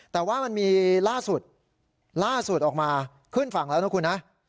แต่ว่ามันมีล่าสุดล่าสุดออกมาขึ้นฝั่งแล้วนะคุณนะ